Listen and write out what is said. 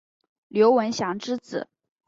刘文翔之子。